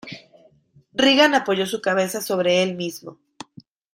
Reagan apoyó su cabeza sobre el mismo.